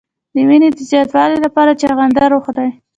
د وینې د زیاتوالي لپاره چغندر وخورئ